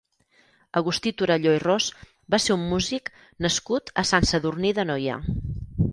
Agustí Torelló i Ros va ser un músic nascut a Sant Sadurní d'Anoia.